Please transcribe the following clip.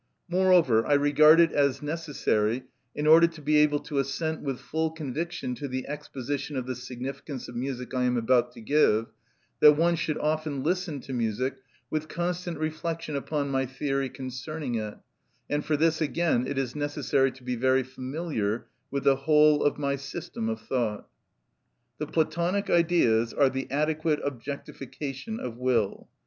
Moreover, I regard it as necessary, in order to be able to assent with full conviction to the exposition of the significance of music I am about to give, that one should often listen to music with constant reflection upon my theory concerning it, and for this again it is necessary to be very familiar with the whole of my system of thought. The (Platonic) Ideas are the adequate objectification of will.